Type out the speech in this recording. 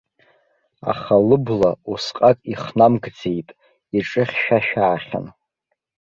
Аха лыбла усҟак ихнамкӡеит, иҿыхьшәашәаахьан.